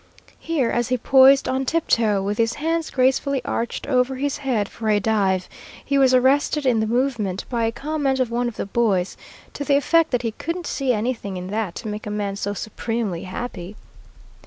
Here, as he poised on tiptoe, with his hands gracefully arched over his head for a dive, he was arrested in the movement by a comment of one of the boys, to the effect that he "couldn't see anything in that to make a man so supremely happy."